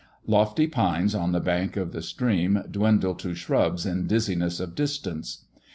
Lofty pines on the bank of the stream 'dwindle to shrubs in dizziness of distance.